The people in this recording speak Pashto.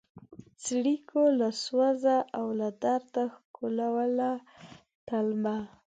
څړیکو له سوزه او له درده ښکلوله تلمه